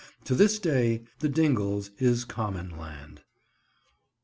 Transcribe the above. To this day The Dingles is common land.